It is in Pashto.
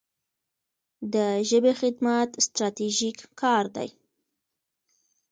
د ژبې خدمت ستراتیژیک کار دی.